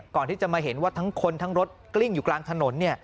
ก่อนที่จะมาเห็นว่าทั้งคนทั้งรถกลิ้งอยู่กลางถนน